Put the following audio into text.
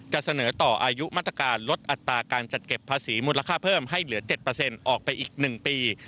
จะเสนอต่ออายุมาตรการลดอัตราการจัดเก็บภาษีมูลค่าเพิ่มให้เหลือ๗ออกไปอีก๑ปี